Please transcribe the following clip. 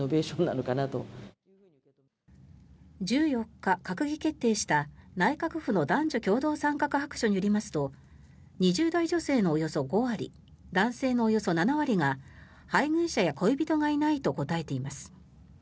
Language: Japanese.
１４日、閣議決定した内閣府の男女共同参画白書によりますと２０代女性のおよそ５割男性のおよそ７割が配偶者や恋人がいないと答えています。